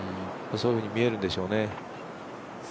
そういうふうに見えるんでしょうね。